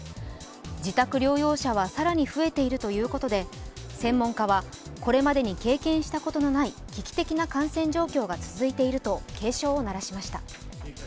自宅療養者は更に増えているということで専門家は、これまでに経験したことのない危機的な感染状況が続いていると警鐘を鳴らしました。